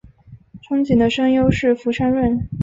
憧憬的声优是福山润。